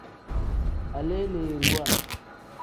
Aleleeriwa.